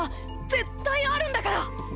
絶対あるんだから！